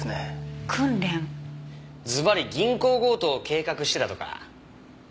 ずばり銀行強盗を計画してたとか。